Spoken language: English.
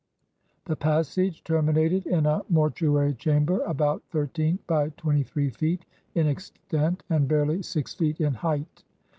The passage terminated in a mortu ary chamber about thirteen by twenty three feet in extent, and barely six feet in height.